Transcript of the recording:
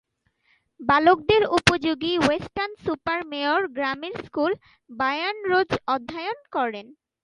বালকদের উপযোগী Weston super Mare grammar স্কুলে ব্রায়ান রোজ অধ্যয়ন করেন।